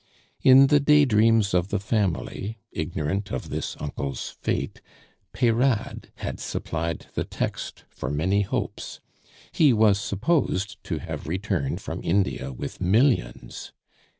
In the day dreams of the family, ignorant of this uncle's fate, Peyrade had supplied the text for many hopes; he was supposed to have returned from India with millions!